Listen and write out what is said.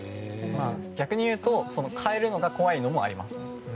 逆にいうとかえるのが怖いのもあります。